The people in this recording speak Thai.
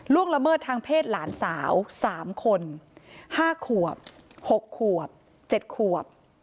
ละเมิดทางเพศหลานสาว๓คน๕ขวบ๖ขวบ๗ขวบ